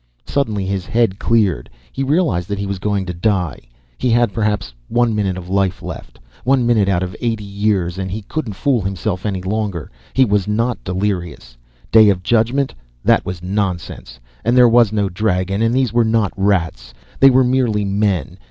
Suddenly, his head cleared. He realized that he was going to die. He had, perhaps, one minute of life left. One minute out of eighty years. And he couldn't fool himself any longer. He was not delirious. Day of judgment that was nonsense. And there was no dragon, and these were not rats. They were merely men.